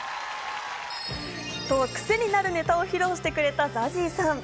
クセになるネタをフリップで披露してくれたＺＡＺＹさん。